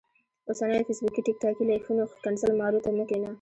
اوسنيو فيسبوکي ټیک ټاکي لايفونو ښکنځل مارو ته مه کينه